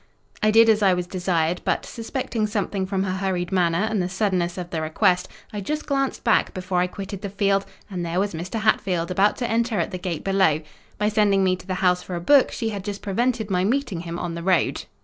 I did as I was desired; but, suspecting something from her hurried manner and the suddenness of the request, I just glanced back before I quitted the field, and there was Mr. Hatfield about to enter at the gate below. By sending me to the house for a book, she had just prevented my meeting him on the road.